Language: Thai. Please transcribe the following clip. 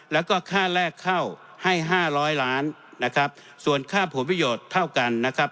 แล้วก็ค่าแรกเข้าให้ห้าร้อยล้านนะครับส่วนค่าผลประโยชน์เท่ากันนะครับ